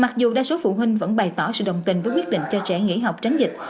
mặc dù đa số phụ huynh vẫn bày tỏ sự đồng tình với quyết định cho trẻ nghỉ học tránh dịch